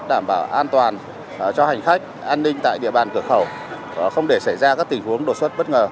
đảm bảo an toàn cho hành khách an ninh tại địa bàn cửa khẩu không để xảy ra các tình huống đột xuất bất ngờ